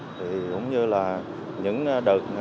cũng như là những đợt